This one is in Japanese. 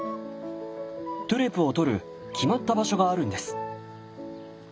トゥレを採る決まった場所があるんです。